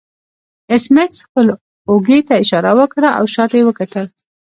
ایس میکس خپل اوږې ته اشاره وکړه او شاته یې وکتل